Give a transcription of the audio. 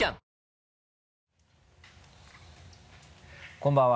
こんばんは。